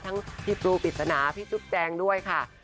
ทั้งพี่ปลูปิศนะพี่จุ๊บแจงด้วยค่ะ